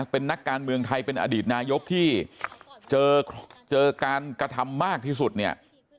เป็นนักการเมืองไทยเป็นอดีตนายกที่เจอการกระทำมากที่สุดเนี่ย